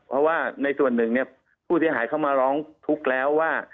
เพราะว่าในส่วนหนึ่งเนี่ยผู้เสียหายเข้ามาร้องทุกข์แล้วว่า